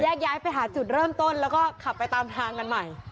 ย้ายไปหาจุดเริ่มต้นแล้วก็ขับไปตามทางกันใหม่